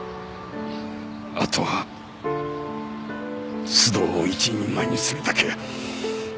あとは須藤を一人前にするだけや。